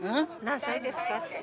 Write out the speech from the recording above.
何歳ですかって。